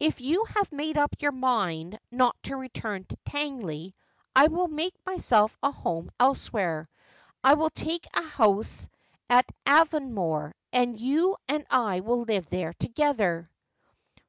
If you have made up your mind not to return to Tangley, I will make myself a home elsewhere. I will take a house at Avon more, and you and I will live there together.'